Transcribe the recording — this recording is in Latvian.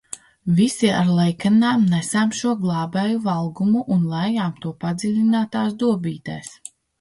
Visi ar lejkannām nesām šo glābēju valgumu un lējām to padziļinātās dobītēs.